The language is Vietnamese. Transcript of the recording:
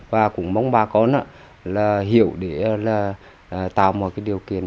và cũng mong bà con hiểu để tạo mọi điều kiện